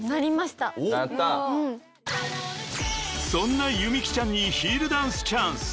［そんな弓木ちゃんにヒールダンスチャンス］